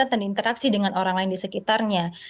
pengapatan dan interaksi dengan orang lain di sekitarnya